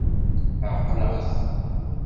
Ɛeqleɣ-t.